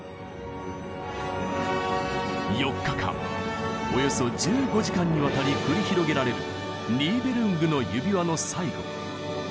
４日間およそ１５時間にわたり繰り広げられる「ニーべルングの指環」の最後。